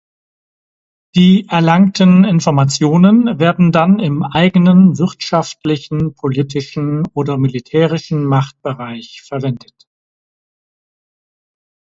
Die erlangten Informationen werden dann im eigenen wirtschaftlichen, politischen oder militärischen Machtbereich verwendet.